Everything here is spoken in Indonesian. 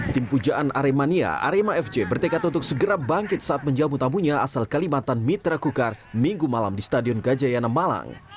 tim pujaan aremania arema fc bertekad untuk segera bangkit saat menjamu tamunya asal kalimantan mitra kukar minggu malam di stadion gajayana malang